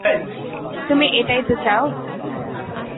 তুমি এটাই তো চাও?